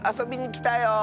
きたよ！